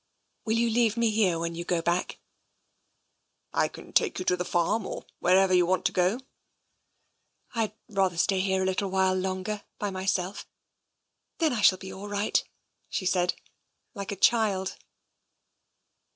Will you leave me here, when you go back? "" I can take you to the farm, or wherever you want to go." I would rather stay here a little while longer, by it TENSION 265 myself. Then I shall be all right," she said, like a child.